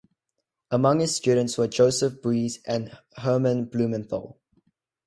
Among his students were Joseph Beuys and Hermann Blumenthal.